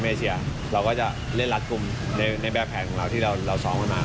แล้วก็เราเคยมาใช้เขาในในในนี้ที่และการนายเบา